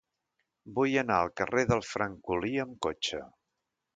Vull anar al carrer del Francolí amb cotxe.